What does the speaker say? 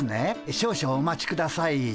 少々お待ちください。